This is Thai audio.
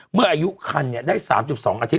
เมื่ออายุคันได้๓๒อาทิตย